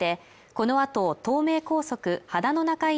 このあと東名高速秦野中井